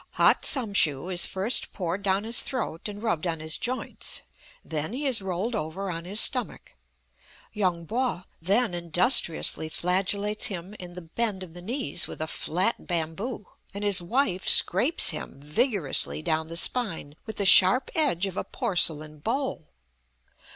Hot samshoo is first poured down his throat and rubbed on his joints, then he is rolled over on his stomach; Yung Po then industriously flagellates him in the bend of the knees with a flat bamboo, and his wife scrapes him vigorously down the spine with the sharp edge of a porcelain bowl.